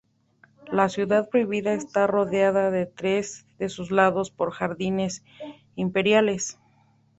La Ciudad Prohibida está rodeada en tres de sus lados por jardines imperiales.